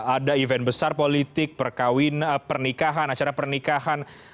ada event besar politik pernikahan acara pernikahan